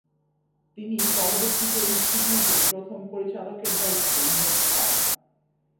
তিনি পরবর্তীতে ইন্সটিটিউটের প্রথম পরিচালকের দায়িত্বে নিয়োগ পান।